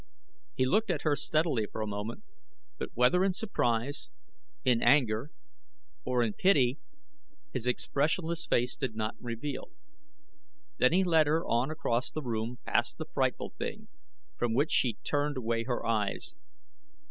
He looked at her steadily for a moment, but whether in surprise, in anger, or in pity his expressionless face did not reveal. Then he led her on across the room past the frightful thing, from which she turned away her eyes.